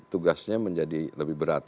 tugasnya menjadi lebih berat